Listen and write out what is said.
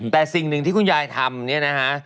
แต่สิ่งหนึ่งที่คุณยายทำเนี่ยนะฮะ